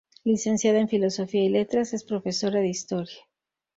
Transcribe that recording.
Licenciada en Filosofía y Letras, es profesora de Historia.